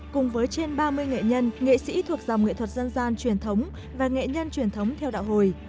cùng với trên ba mươi nghệ nhân nghệ sĩ thuộc dòng nghệ thuật dân gian truyền thống và nghệ nhân truyền thống theo đạo hồi